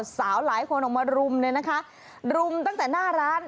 หลายคนออกมารุมเลยนะคะรุมตั้งแต่หน้าร้าน